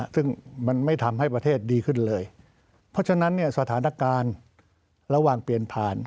ซึ่งมันไม่ทำให้ประเทศดีขึ้นเลยเพราะฉะนั้นเนี่ยสถานการณ์ระหว่างเปลี่ยนผ่าน